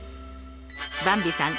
ばんびさん